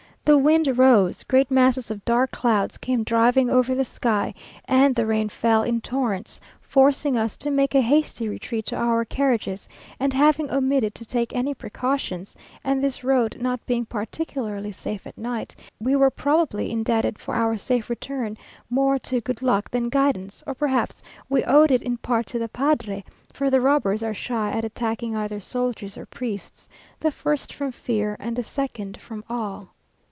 The wind rose, great masses of dark clouds came driving over the sky, and the rain fell in torrents, forcing us to make a hasty retreat to our carriages, and having omitted to take any precautions, and this road not being particularly safe at night, we were probably indebted for our safe return more to "good luck than good guidance;" or, perhaps, we owed it in part to the padre, for the robbers are shy at attacking either soldiers or priests, the first from fear, and the second from awe.